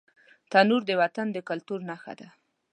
تنور د وطن د کلتور نښه ده